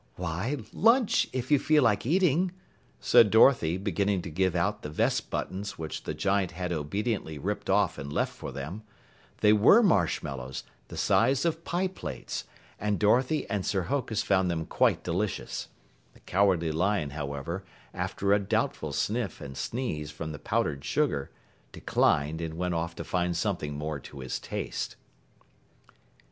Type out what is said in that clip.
"Why, lunch, if you feel like eating," said Dorothy, beginning to give out the vest buttons which the giant had obediently ripped off and left for them. They were marshmallows, the size of pie plates, and Dorothy and Sir Hokus found them quite delicious. The Cowardly Lion, however, after a doubtful sniff and sneeze from the powdered sugar, declined and went off to find something more to his taste.